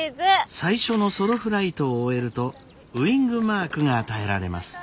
最初のソロフライトを終えるとウイングマークが与えられます。